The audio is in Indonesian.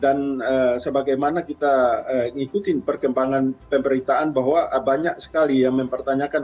dan sebagaimana kita ikuti perkembangan pemberitaan bahwa banyak sekali yang mempertanyakan